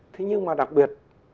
thế nhưng mà đặc biệt